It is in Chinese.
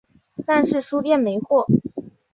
但是书店没货